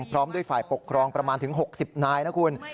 พร้อมด้วยฝ่ายปกครองประมาณถึง๖๐นายนะคุณ